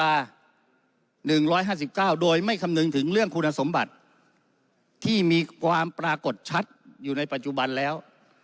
๑๕๙โดยไม่คำนึงถึงเรื่องคุณสมบัติที่มีความปรากฏชัดอยู่ในปัจจุบันแล้ว